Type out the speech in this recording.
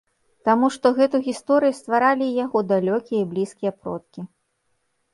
Таму што гэту гісторыю стваралі і яго далёкія і блізкія продкі.